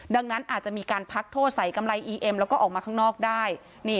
ดังนั้นอาจจะมีการพักโทษใส่กำไรอีเอ็มแล้วก็ออกมาข้างนอกได้